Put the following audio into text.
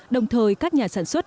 đồng thời các nhà sản xuất